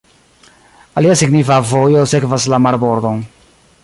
Alia signifa vojo sekvas la marbordon.